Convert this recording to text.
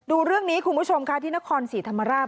ดูเรื่องนี้คุณผู้ชมค่ะที่นครศรีธรรมราช